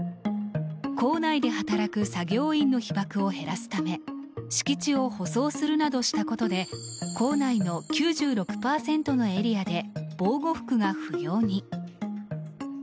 構内で働く作業員の被ばくを減らすため敷地を舗装するなどしたことで構内の９６％のエリアで防護服が不要に。